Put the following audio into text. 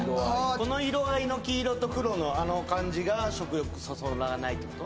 この色合いの黄色と黒のあの感じが食欲そそらないってこと？